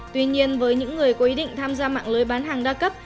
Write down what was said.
tuy nhiên với những người có ý định tham gia mạng lưới bán hàng đa cấp